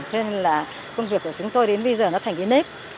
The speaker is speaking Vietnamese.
cho nên là công việc của chúng tôi đến bây giờ nó thành cái nếp